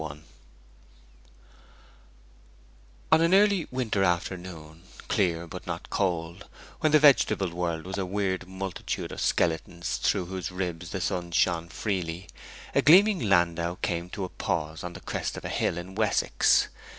I On an early winter afternoon, clear but not cold, when the vegetable world was a weird multitude of skeletons through whose ribs the sun shone freely, a gleaming landau came to a pause on the crest of a hill in Wessex.